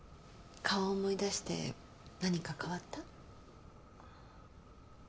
顔思い出して何か変わった？